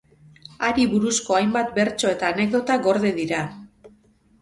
Hari buruzko hainbat bertso eta anekdota gorde dira.